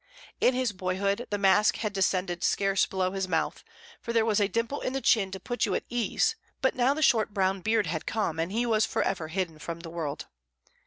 In his boyhood the mask had descended scarce below his mouth, for there was a dimple in the chin to put you at ease; but now the short brown beard had come, and he was for ever hidden from the world.